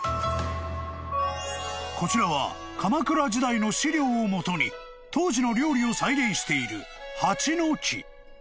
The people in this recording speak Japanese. ［こちらは鎌倉時代の史料をもとに当時の料理を再現している］